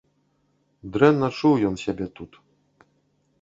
Дрэнна чуў ён сябе тут.